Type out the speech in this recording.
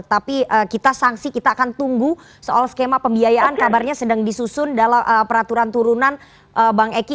tapi kita sangsi kita akan tunggu soal skema pembiayaan kabarnya sedang disusun dalam peraturan turunan bang eki